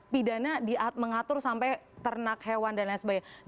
pidana mengatur sampai ternak hewan dan lain sebagainya